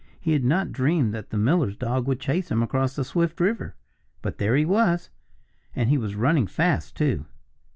He had not dreamed that the miller's dog would chase him across Swift River. But there he was. And he was running fast, too.